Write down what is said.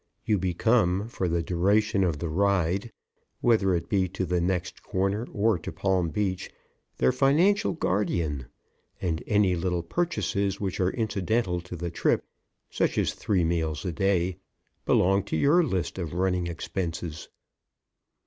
You become, for the duration of the ride, whether it be to the next corner or to Palm Beach, their financial guardian, and any little purchases which are incidental to the trip (such as three meals a day) belong to your list of running expenses.